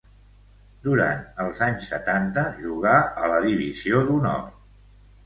Durant els anys setanta jugà a la divisió d'honor.